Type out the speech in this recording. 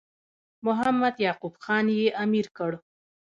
محمد یعقوب خان یې امیر کړ.